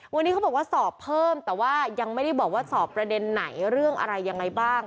วันนี้เขาบอกว่าสอบเพิ่มแต่ว่ายังไม่ได้บอกว่าสอบประเด็นไหนเรื่องอะไรยังไงบ้าง